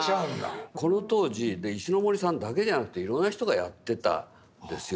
この当時石森さんだけじゃなくていろんな人がやってたんですよ。